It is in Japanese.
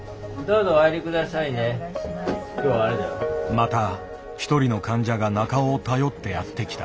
また一人の患者が中尾を頼ってやって来た。